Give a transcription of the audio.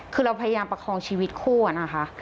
คือเราพยายามประคองชีวิตคู่อะนะคะ